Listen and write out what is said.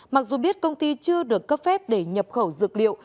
mặc dù biết công ty chưa được cấp phép để nhập khẩu dược liệu